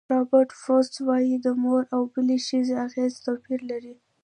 رابرټ فروسټ وایي د مور او بلې ښځې اغېزه توپیر لري.